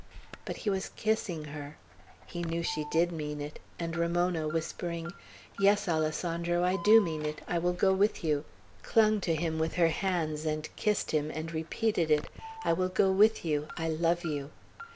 But he was kissing her. He knew she did mean it; and Ramona, whispering, "Yes, Alessandro, I do mean it; I will go with you," clung to him with her hands, and kissed him, and repeated it, "I will go with you, I love you."